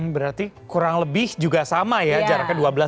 berarti kurang lebih juga sama ya jaraknya dua belas jam